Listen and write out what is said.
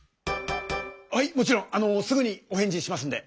はいもちろんあのすぐにお返事しますんで。